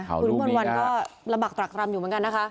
ขวันวันก็ระบักตรักรำอยู่เหมือนกันนะคะ